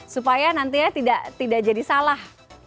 supaya nantinya tidak jadi salah